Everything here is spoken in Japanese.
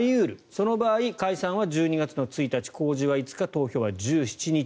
その場合、解散は１２月１日公示は５日、投票は１７日。